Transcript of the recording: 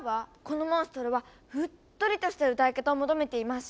このモンストロはうっとりとした歌い方を求めています！